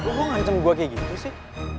lu mau ngasih minta gua kayak gitu sih